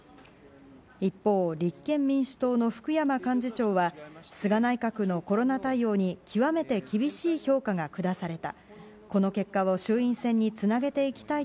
一方、立憲民主党の福山幹事長は菅内閣のコロナ対応に極めて厳しい評価が下された。